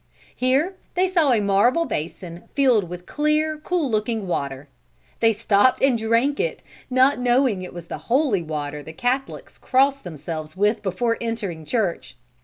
Here they saw a marble basin filled with clear, cool looking water. They stopped and drank it, not knowing it was the holy water the Catholics cross themselves with before entering church.